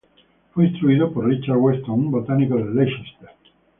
Fue instruido por Richard Weston, un botánico de Leicester.